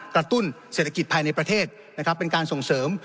ตุ้นเศรษฐกิจภายในประเทศนะครับเป็นการส่งเสริม